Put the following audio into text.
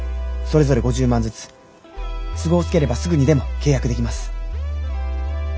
それぞれ５０万ずつ都合つければすぐにでも契約できます。